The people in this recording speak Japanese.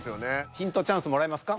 ヒントチャンスもらいますか？